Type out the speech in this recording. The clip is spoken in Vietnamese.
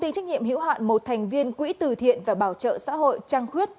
công ty trách nhiệm hiểu hạn một thành viên quỹ từ thiện và bảo trợ xã hội trăng khuyết